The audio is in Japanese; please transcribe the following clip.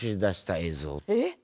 えっ？